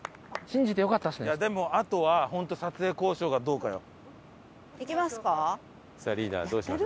でもあとは本当撮影交渉がどうかよ。